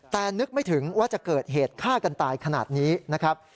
แต่นึกไม่ถึงว่าจะเกิดเหตุฆ่ากันตายขนาดนี้นะครับ